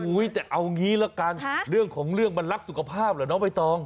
แต่เอางี้ละกันเรื่องของเรื่องมันรักสุขภาพเหรอน้องใบตอง